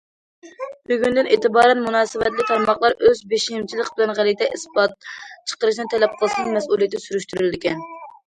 بۈگۈندىن ئېتىبارەن، مۇناسىۋەتلىك تارماقلار ئۆز بېشىمچىلىق بىلەن« غەلىتە» ئىسپات چىقىرىشنى تەلەپ قىلسىمۇ مەسئۇلىيىتى سۈرۈشتۈرۈلىدىكەن.